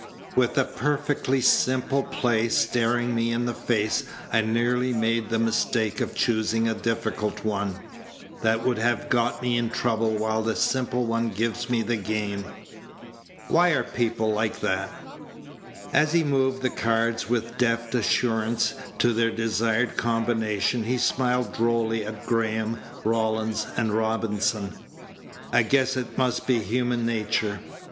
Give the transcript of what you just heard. With a perfectly simple play staring me in the face I nearly made the mistake of choosing a difficult one. That would have got me in trouble while the simple one gives me the game. Why are people like that?" As he moved the cards with a deft assurance to their desired combination he smiled drolly at Graham, Rawlins, and Robinson. "I guess it must be human nature.